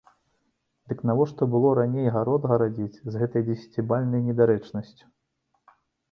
Дык навошта было раней гарод гарадзіць з гэтай дзесяцібальнай недарэчнасцю?